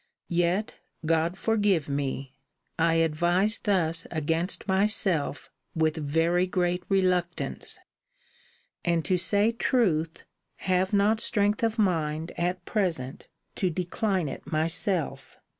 Yet, God forgive me! I advise thus against myself with very great reluctance: and, to say truth, have not strength of mind, at present, to decline it myself.